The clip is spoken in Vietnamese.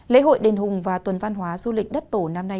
lễ hội đền hùng và tuần văn hóa du lịch đất tổ năm nay